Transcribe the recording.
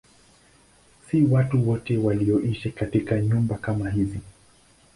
Si watu wote walioishi katika nyumba kama hizi.